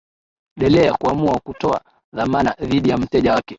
delea kuamua kutoa dhamana dhidi ya mteja wake